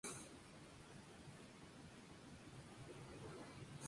Se caracteriza por fusionar Ska, Reggae, Rock y ritmos colombianos.